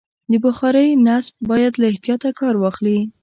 د بخارۍ نصب باید له احتیاطه کار واخلي.